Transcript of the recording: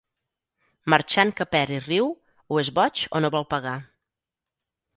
Marxant que perd i riu, o és boig o no vol pagar.